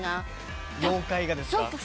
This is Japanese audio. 妖怪がですか？